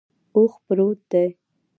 اوښ پروت دے